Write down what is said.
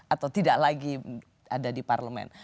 atau tidak lagi ada di parlemen